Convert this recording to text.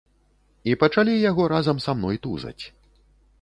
І пачалі яго разам са мной тузаць.